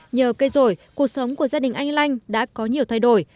nhờ cây rổi cuộc sống của gia đình anh lanh đã có nhiều thay đổi